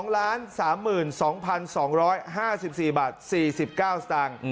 ๒๓๒๒๕๔บาท๔๙สตางค์